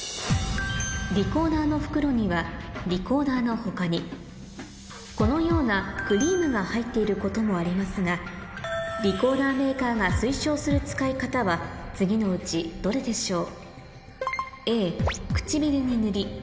リコーダーの袋にはリコーダーの他にこのようなクリームが入っていることもありますがリコーダーメーカーが推奨する使い方は次のうちどれでしょう？